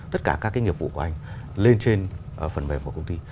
tất cả các cái nghiệp vụ của anh lên trên phần mềm của công ty